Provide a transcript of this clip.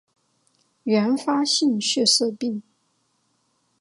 原发性血色病